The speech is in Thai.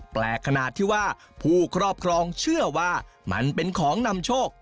แปลกขนาดที่ว่าผู้ครอบครองเชื่อว่ามันเป็นของนำโชค